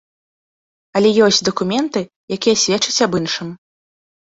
Але ёсць дакументы, якія сведчаць аб іншым.